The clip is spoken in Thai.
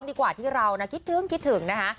ดีกว่าที่เรานะคิดถึงคิดถึงนะคะ